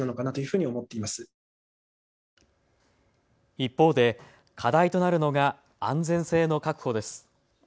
一方で課題となるのが安全性の確保です。